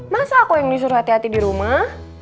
masa aku yang disuruh hati hati di rumah